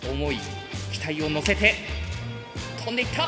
期待を乗せて飛んでいった！